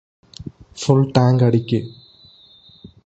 full tank അടിക്ക്